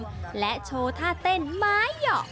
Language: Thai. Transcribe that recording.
กลายเป็นประเพณีที่สืบทอดมาอย่างยาวนาน